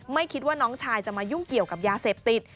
ไม่คิดว่าน้องชายจะมายุ่งเกี่ยวกับยาเสพติด